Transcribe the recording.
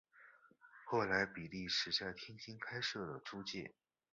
后来比利时在天津开设了租界。